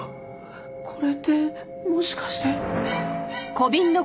これってもしかして。